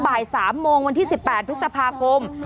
บ่าย๓โมงวันที่๑๘พฤษภาคม